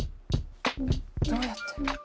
どうやって。